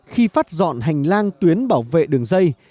khi phát dọn hành lang tuyến bảo vệ đường dây